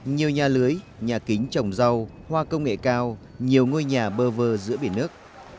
nhiều nhà lưới nhà kính trồng rau hoa công nghệ cao nhiều ngôi nhà bơ vơ giữa biển nước